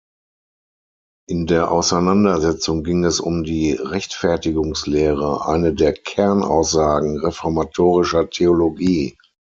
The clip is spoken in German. In der Auseinandersetzung ging es um die Rechtfertigungslehre, eine der Kernaussagen reformatorischer Theologie.